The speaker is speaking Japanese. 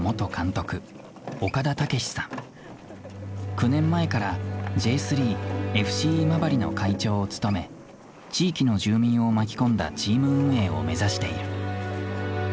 ９年前からＪ３ＦＣ今治の会長を務め地域の住民を巻き込んだチーム運営を目指している。